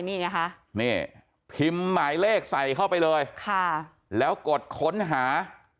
นี่ไงคะนี่พิมพ์หมายเลขใส่เข้าไปเลยค่ะแล้วกดค้นหา